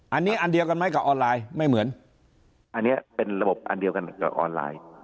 อันนี้อันเดียวกันไหมกับออนไลน์ไม่เหมือนอันนี้เป็นระบบอันเดียวกันกับออนไลน์